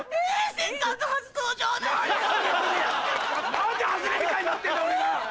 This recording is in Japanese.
何で外れみたいになってんだ俺が。